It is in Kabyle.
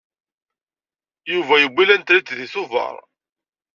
Yuba yewwi lantrit deg Tubeṛ.